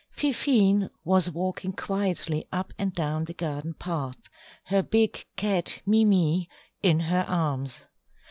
Fifine was walking quietly up and down the garden path, her big cat, Mimi, in her arms.